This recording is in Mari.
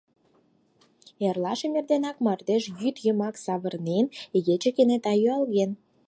Эрлашым эрденак мардеж йӱдйымак савырнен, игече кенета юалген.